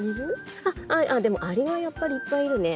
あっでもアリはやっぱりいっぱいいるね。